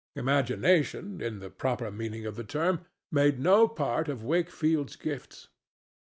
Imagination, in the proper meaning of the term, made no part of Wakefield's gifts.